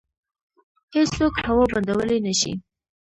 هیڅوک هوا بندولی نشي.